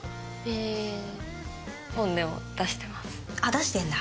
出してんだ。